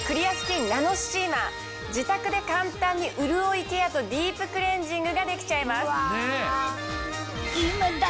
自宅で簡単にうるおいケアとディープクレンジングができちゃいます。